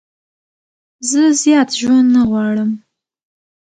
زه زیات ژوند نه غواړم.